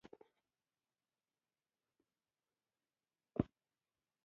ډيپلوماسي د سوداګری د تړونونو عملي کولو وسیله ده.